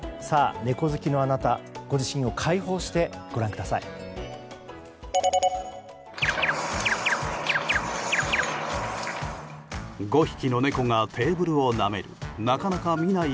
猫好きのあなたご自身を開放してご覧ください。